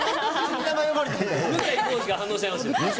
向井康二が反応しちゃいますよ。